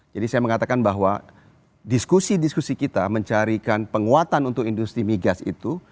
jadi saya mengatakan bahwa diskusi diskusi kita mencarikan penguatan untuk industri mi gas itu